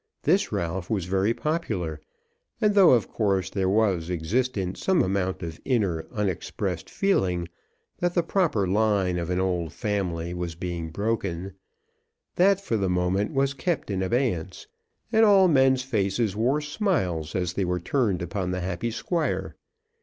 This Ralph was very popular; and though of course there was existent some amount of inner unexpressed feeling that the proper line of an old family was being broken, that for the moment was kept in abeyance, and all men's faces wore smiles as they were turned upon the happy Squire.